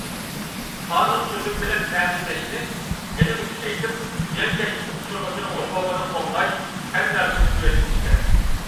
قانۇن- تۈزۈم بىلەن تەمىنلەشنى يەنىمۇ كۈچەيتىپ، زىيانكەشلىككە ئۇچرىغۇچىنىڭ ھوقۇقىنى قوغداش تەننەرخىنى تۆۋەنلىتىش كېرەك.